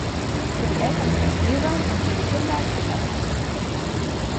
Für die Eltern gibt es Glühwein und für die Kinder Kinderpunsch.